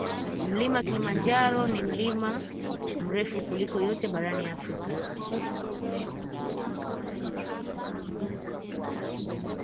Mlima kilimanjaro ni mlima mrefu kuliko yote barani Afrika